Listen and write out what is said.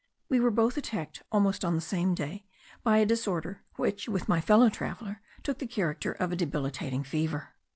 We were both attacked almost on the same day by a disorder which with my fellow traveller took the character of a debilitating fever.